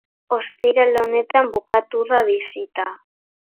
Ostiral honetan bukatu da bisita.